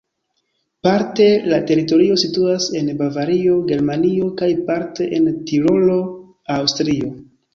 Parte la teritorio situas en Bavario, Germanio kaj parte en Tirolo, Aŭstrio.